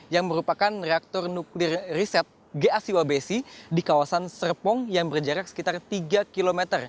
yang merupakan reaktor nuklir riset gasiwabc di kawasan serpeng yang berjarak sekitar tiga km